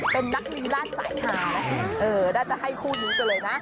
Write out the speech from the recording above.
เป็นนักลีลาดสายขาน่าจะให้คู่นี้ไปเลยนะ